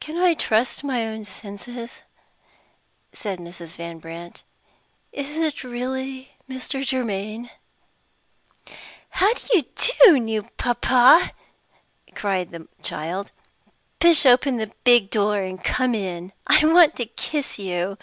"Can I trust my own senses?" said Mrs. Van Brandt. "Is it really Mr. Germaine?" "How do you do, new papa?" cried the child. "Push open the big door and come in. I want to kiss you."